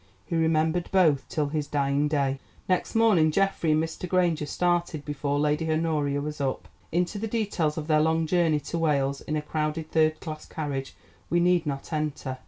He remembered both till his dying day. Next morning Geoffrey and Mr. Granger started before Lady Honoria was up. Into the details of their long journey to Wales (in a crowded third class carriage) we need not enter.